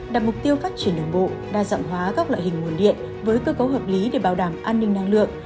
đặt mục tiêu phát triển đường bộ đa dạng hóa các loại hình nguồn điện với cơ cấu hợp lý để bảo đảm an ninh năng lượng